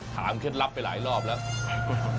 ถามเข้นลับไปหลายรอบแล้ว